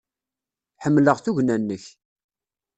Ḥemmleɣ tugna-nnek.